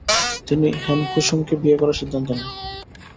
তিনি হেমকুসুমকে বিয়ে করার সিদ্ধান্ত নেন।